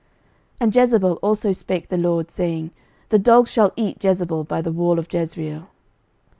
11:021:023 And of Jezebel also spake the LORD, saying, The dogs shall eat Jezebel by the wall of Jezreel.